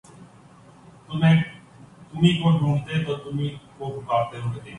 تمہی کو ڈھونڈتے تم کو پکارتے ہوئے دن